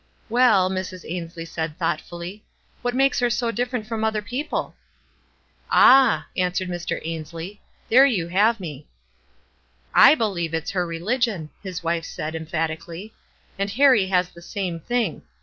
"Well," Mrs. Ainslie said, thoughtfully, " what makes her so different from other peo ple? 1 ' "Ah!" answered Mr. Ainslie, "there you have me." "/ believe it's her religion," his wife said, emphatically. " And Harrie has the same thing.